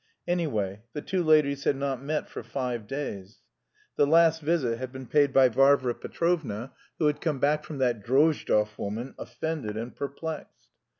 Anyway, the two ladies had not met for five days. The last visit had been paid by Varvara Petrovna, who had come back from "that Drozdov woman" offended and perplexed.